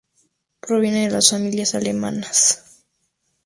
Proviene de familias alemanas.